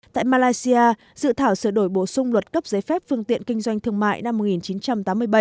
tại malaysia dự thảo sửa đổi bổ sung luật cấp giấy phép phương tiện kinh doanh thương mại năm một nghìn chín trăm tám mươi bảy